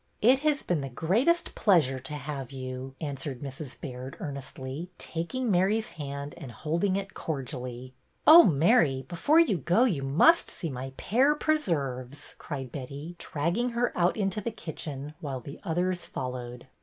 " It has been the greatest pleasure to have you," answered Mrs. Baird, earnestly, taking Mary's hand and holding it cordially. ' Oh, Mary, before you go you must see my pear preserves," cried Betty, dragging her out into the kitchen, while the others followed.